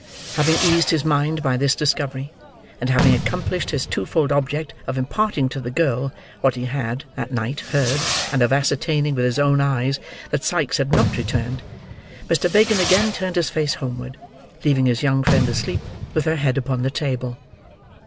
Having eased his mind by this discovery; and having accomplished his twofold object of imparting to the girl what he had, that night, heard, and of ascertaining, with his own eyes, that Sikes had not returned, Mr. Fagin again turned his face homeward: leaving his young friend asleep, with her head upon the table.